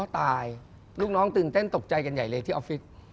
ตายลูกน้องตื่นเต้นตกใจกันใหญ่เลยที่ออฟฟิศ